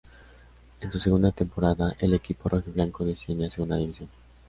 En su segunda temporada el equipo rojiblanco desciende a Segunda división.